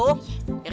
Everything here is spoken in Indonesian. selama ada aku rinto